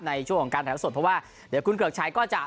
ในช่วงของการถ่ายละสดเพราะว่าเดี๋ยวคุณเกือกชัยก็จะ